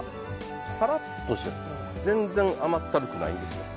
サラッとしてる全然甘ったるくないんですよ。